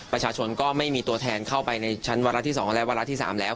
ประชาชนก็ไม่มีตัวแทนเข้าไปในชั้นวาระที่๒และวาระที่๓แล้ว